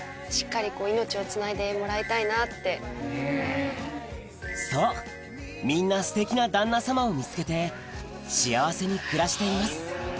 しっかり命をつないでもらいたいなって・そうみんなすてきな旦那様を見つけて幸せに暮らしています